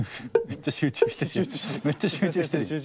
めっちゃ集中してるんだ。